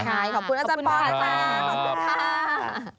ขอบคุณอาจารย์ปอล์ขอบคุณค่ะ